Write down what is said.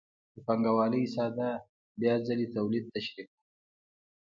د پانګوالۍ ساده بیا ځلي تولید تشریح کوو